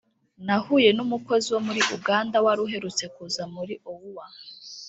nahuye n'umukozi wo muri uganda wari uherutse kuza muri oua